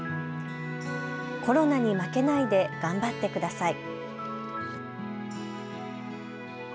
コロナに負けないで頑張ってください。